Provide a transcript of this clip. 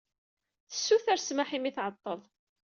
Tessuter ssmaḥ imi ay tɛeḍḍel.